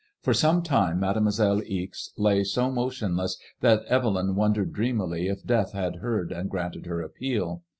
For some time Mademoiselle Ixe lay 80 motionless that Evelyn wondered dreamily if death had heard and granted her appeal.